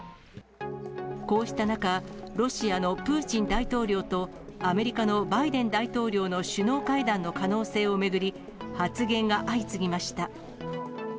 こうした中、ロシアのプーチン大統領とアメリカのバイデン大統領の首脳会談の可能性を巡り、発言が相次ぎました。